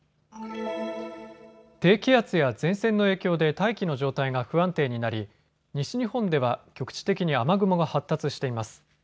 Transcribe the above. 低気圧や前線の影響で大気の状態が不安定になり西日本では局地的に雨雲が発達しています。